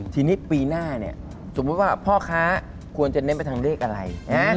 ทีนี้ปีหน้าเนี่ยสมมุติว่าพ่อค้าควรจะเน้นไปทางเลขอะไร